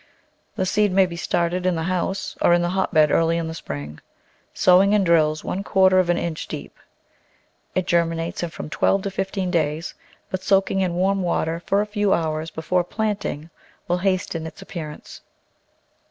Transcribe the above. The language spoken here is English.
The seed may be started in the house, or in the hotbed early in the spring; sowing in drills one quarter of an inch deep. It germinates in from twelve to fifteen days, but soaking in warm water, for a few hours before planting, will hasten its appearance.